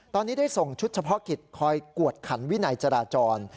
ตอนนี้ได้ส่งชุดเฉพาะกิจคอยกวดขันวินัยจราจร